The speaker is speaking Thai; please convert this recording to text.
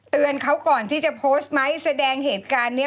เตือนเขาก่อนที่จะโพสต์ไหม